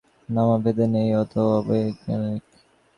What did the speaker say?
দেশে কালে পাত্রে ভেদ আছে অথচ নামে ভেদ নেই ওটা অবৈজ্ঞানিক।